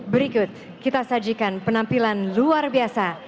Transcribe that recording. berikut kita sajikan penampilan luar biasa